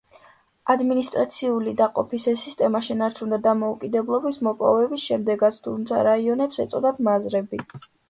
ადმინისტრაციული დაყოფის ეს სისტემა შენარჩუნდა დამოუკიდებლობის მოპოვების შემდეგაც, თუმცა რაიონებს ეწოდათ მაზრები.